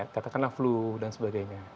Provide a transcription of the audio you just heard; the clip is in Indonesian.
katakanlah flu dan sebagainya